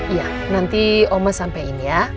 ya nanti oma sampein ya